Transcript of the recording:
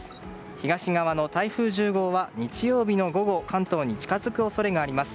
東側の台風１０号は日曜日の午後関東に近づく恐れがあります。